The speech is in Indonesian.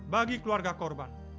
bagi keluarga korban